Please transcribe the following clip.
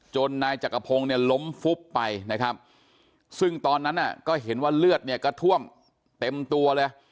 นายจักรพงศ์เนี่ยล้มฟุบไปนะครับซึ่งตอนนั้นก็เห็นว่าเลือดเนี่ยก็ท่วมเต็มตัวเลย